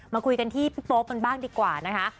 มาคุยกันที่พี่โป๊ปกันบ้างดีกว่านะคะ